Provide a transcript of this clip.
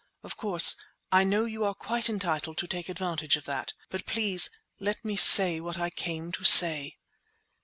Of course, I know you are quite entitled to take advantage of that; but please let me say what I came to say!"